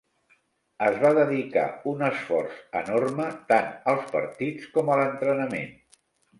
Es va dedicar un esforç enorme tant als partits com a l'entrenament.